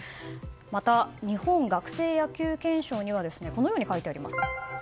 また、日本学生野球憲章にはこのように書いてあります。